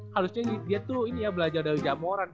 harusnya dia tuh ini ya belajar dari jamuran